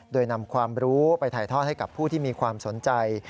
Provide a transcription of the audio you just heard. โดยนำความรู้ไปถ่ายทอดให้กับผู้ที่มีความสนใจ